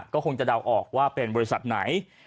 ก็คงจะเดาออกว่าเป็นบริษัทไหน